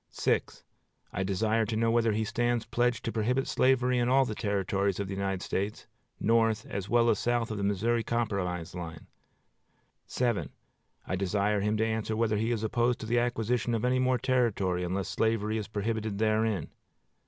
I desire to know whether he stands pledged to prohibit slavery in all the Territories of the United States, north as well as south of the Missouri Compromise line. I desire him to answer whether he is opposed to the acquisition of any more territory unless slavery is prohibited therein.